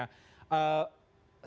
bahkan sampai meluapkan emosi dan sebagainya